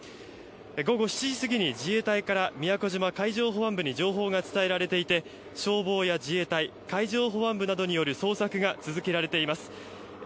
午後７時過ぎに自衛隊から宮古島海上保安部に情報が寄せられて消防や自衛隊海上保安部などによる捜索が続けられています。